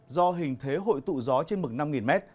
do hình thế hội tụ gió trên mực năm m